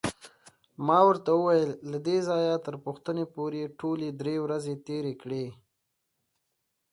ما ورته وویل: له دې ځایه تر پوښتنې پورې ټولې درې ورځې تېرې کړې.